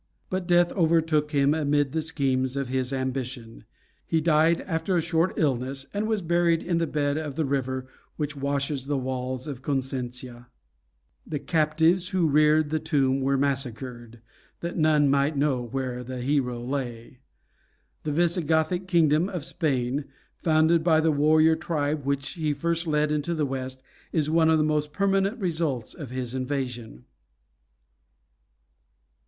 But death overtook him amid the schemes of his ambition. He died after a short illness, and was buried in the bed of the river which washes the walls of Cosentia. The captives who reared the tomb were massacred, that none might know where the hero lay. The Visigothic kingdom of Spain, founded by the warrior tribe which he first led into the West, is one of the most permanent results of his invasion.